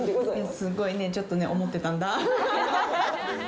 すごいね、ちょっと思ってたんだ。